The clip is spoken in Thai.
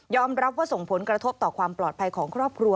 รับว่าส่งผลกระทบต่อความปลอดภัยของครอบครัว